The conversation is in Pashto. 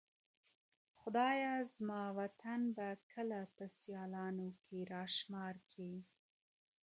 خدایه زما وطن به کله په سیالانو کي راشمار کې ,